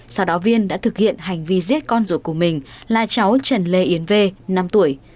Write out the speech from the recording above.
sau đó viên đã thực hiện hành vi giết con ruột của mình là cháu trần lê yến v năm tuổi